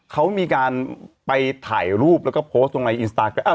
เขามีการไปถ่ายรูปแล้วก็โพสต์ลงในอินสตาแกรม